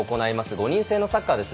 ５人制のサッカーです。